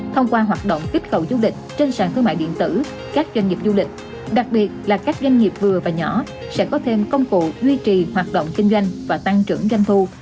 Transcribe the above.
thông qua hoạt động kích cầu du lịch trên sàn thương mại điện tử các doanh nghiệp du lịch đặc biệt là các doanh nghiệp vừa và nhỏ sẽ có thêm công cụ duy trì hoạt động kinh doanh và tăng trưởng doanh thu